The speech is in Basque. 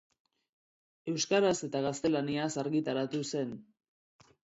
Euskaraz eta gaztelaniaz argitaratu zen.